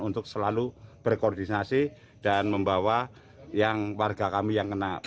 untuk selalu berkoordinasi dan membawa yang warga kami yang kena